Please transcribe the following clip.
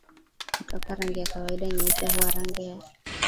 kutoka rangi ya kawaida nyeupe kuwa rangi ya